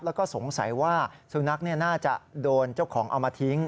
แล้วก็สงสัยว่าสุนัขน่าจะโดนเจ้าของเอามาทิ้ง